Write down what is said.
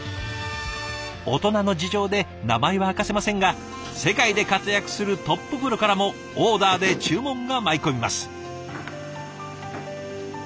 オトナの事情で名前は明かせませんが世界で活躍するトッププロからもオーダーで注文が舞い込みます。